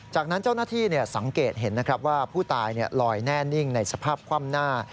จากนั้นเจ้าหน้าที่สังเกตเห็นนะครับว่าผู้ตายลอยแน่นิ่งในสภาพคว่ำหน้า